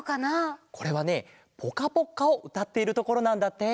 これはね「ぽかぽっか」をうたっているところなんだって。